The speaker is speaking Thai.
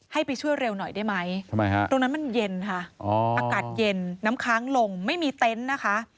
ให้ไปช่วยเร็วหน่อยได้ไหมฮะตรงนั้นมันเย็นค่ะอากาศเย็นน้ำค้างลงไม่มีเต็นต์นะคะ